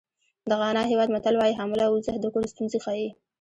د غانا هېواد متل وایي حامله اوزه د کور ستونزې ښیي.